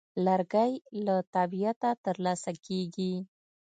لرګی له طبیعته ترلاسه کېږي.